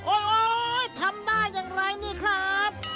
โอ๊ยทำได้อย่างไรนี่ครับ